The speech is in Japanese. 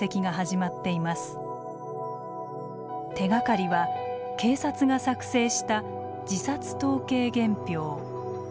手がかりは警察が作成した自殺統計原票。